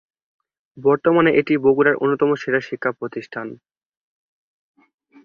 বর্তমানে এটি বগুড়ার অন্যতম সেরা শিক্ষা প্রতিষ্ঠান।